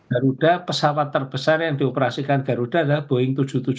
garuda pesawat terbesar yang dioperasikan garuda adalah boeing tujuh ratus tujuh puluh